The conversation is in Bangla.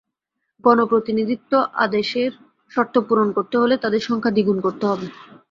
গণপ্রতিনিধিত্ব অাদেশের শর্ত পূরণ করতে হলে তাদের সংখ্যা দ্বিগুণ করতে হবে।